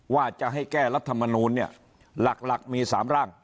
ว่าจะให้แก้รัฐมนูลเนี่ยหลักมี๓ร่าง